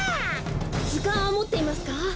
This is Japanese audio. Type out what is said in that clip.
ずかんはもっていますか？